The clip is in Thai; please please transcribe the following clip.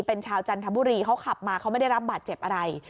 เป็นชาวจันทบุรีเขาขับมาเขาไม่ได้รับบาดเจ็บอะไร